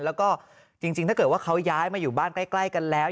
แล้วก็จริงถ้าเกิดว่าเขาย้ายมาอยู่บ้านใกล้กันแล้ว